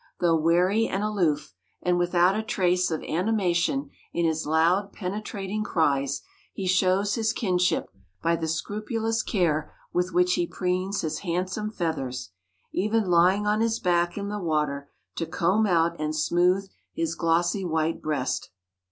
Though wary and aloof, and without a trace of animation in his loud, penetrating cries, he shows his kinship by the scrupulous care with which he preens his handsome feathers even lying on his back in the water to comb out and smooth his glossy, white breast.